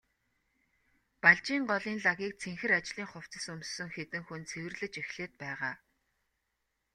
Балжийн голын лагийг цэнхэр ажлын хувцас өмссөн хэдэн хүн цэвэрлэж эхлээд байгаа.